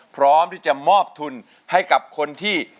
พร้อมที่จะมอบทุนให้กับคนที่